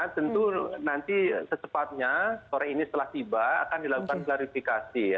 tentu nanti secepatnya sore ini setelah tiba akan dilakukan klarifikasi ya